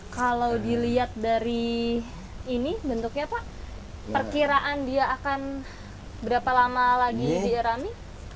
kalau dilihat dari ini bentuknya pak perkiraan dia akan berapa lama lagi dierami